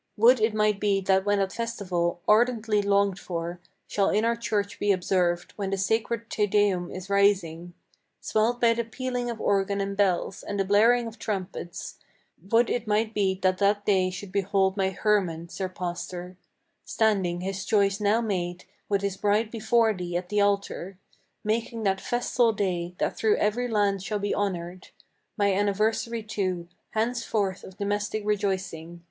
Would it might be that when that festival, ardently longed for, Shall in our church be observed, when the sacred Te Deum is rising, Swelled by the pealing of organ and bells, and the blaring of trumpets, Would it might be that that day should behold my Hermann, sir pastor, Standing, his choice now made, with his bride before thee at the altar, Making that festal day, that through every land shall be honored, My anniversary, too, henceforth of domestic rejoicing!